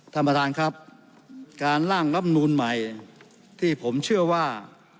ท่านประธานครับการล่างรับนูลใหม่ที่ผมเชื่อว่า